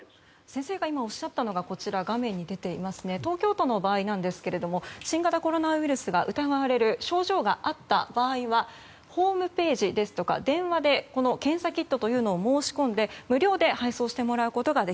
先生が今おっしゃったのが東京都の場合ですが新型コロナウイルスが疑われる症状があった場合はホームページですとか電話で検査キットというのを申し込んで無料で配送してもらえます。